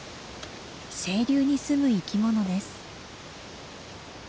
清流に住む生きものです。